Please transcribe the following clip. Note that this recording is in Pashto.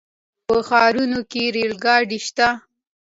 په ښارونو کې ریل ګاډي شته.